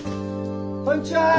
こんちは。